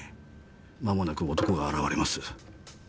まもなく男が現れます。